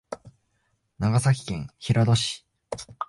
長崎県平戸市